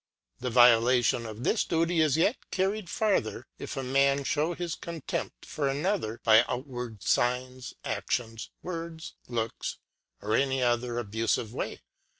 The Violation of this Duty is yet carried vi. farther, if a Man fliew his Contempt of another Avd a by outward Signs, Anions, Words, Looks, v^'^^^l/^ or any other abufive way.